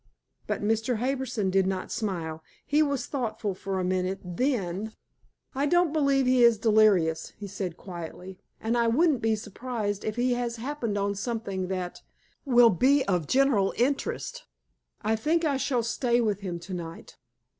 But Mr. Harbison did not smile. He was thoughtful for a minute. Then: "I don't believe he is delirious," he said quietly, "and I wouldn't be surprised if he has happened on something that will be of general interest. I think I will stay with him tonight."